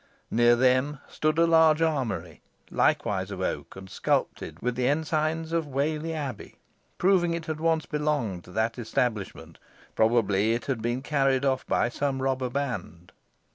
Near them stood a large armoury, likewise of oak, and sculptured with the ensigns of Whalley Abbey, proving it had once belonged to that establishment. Probably it had been carried off by some robber band.